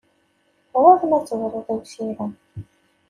Ɣur-m ad tebruḍ i usirem!